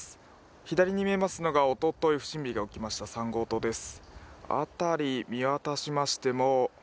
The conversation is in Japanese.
左に見えますのがおととい不審火が起きました３号棟です。